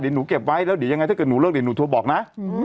เดี๋ยวหนูเก็บไว้แล้วเดี๋ยวยังไงถ้าเกิดหนูเลิกเดี๋ยวหนูโทรบอกนะ